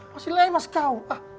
masih lemas kau